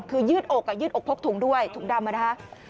คือยืดโอกพกถุงด้วยถุงดำ